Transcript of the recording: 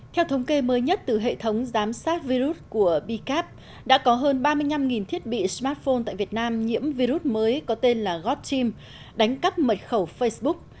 theo thống kê mới nhất từ hệ thống giám sát virus của b cap đã có hơn ba mươi năm thiết bị smartphone tại việt nam nhiễm virus mới có tên là gotchim đánh cắp mật khẩu facebook